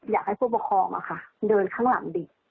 อยากให้ผู้ประคองมาค่ะเดินข้างหลังดิ